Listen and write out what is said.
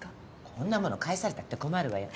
こんなもの返されたって困るわよ。